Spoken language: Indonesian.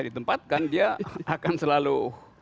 ditempatkan dia akan selalu